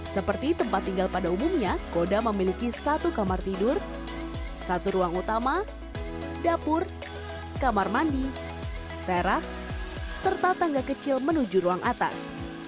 seperti tempat tinggal pada umumnya koda memiliki satu kamar tidur satu ruang utama dapur kamar mandi teras serta tangga kecil menuju ruang atas